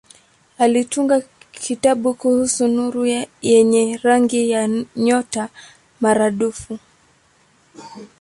Alitunga kitabu kuhusu nuru yenye rangi ya nyota maradufu.